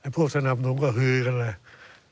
พวกสนับหนุ่มก็ฮือกันเลย